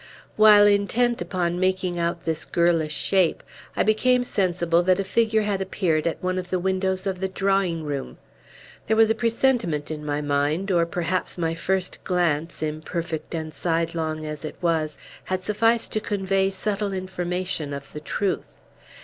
While intent upon making out this girlish shape, I became sensible that a figure had appeared at one of the windows of the drawing room. There was a presentiment in my mind; or perhaps my first glance, imperfect and sidelong as it was, had sufficed to convey subtile information of the truth.